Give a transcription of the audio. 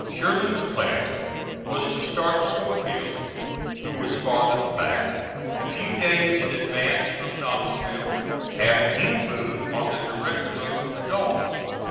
Sherman's plan was to start Schofield, who was farthest back, a few days in advance from Knoxville, having him move on the direct road to Dalton.